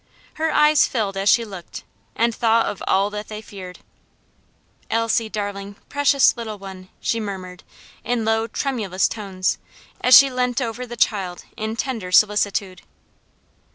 Her eyes filled as she looked, and thought of all that they feared. "Elsie, darling! precious little one," she murmured in low, tremulous tones, as she leant over the child in tender solicitude.